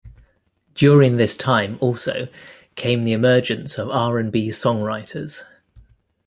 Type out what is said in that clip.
During this time also came the emergence of R and B songwriters.